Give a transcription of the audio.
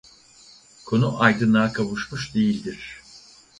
Konu aydınlığa kavuşmuş değildir.